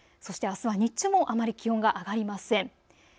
あすの日中もあまり気温が上がりません。